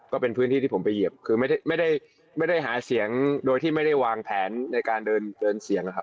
ก็เป็นพื้นที่ที่ผมไปเหยียบคือไม่ได้หาเสียงโดยที่ไม่ได้วางแผนในการเดินเสียงนะครับ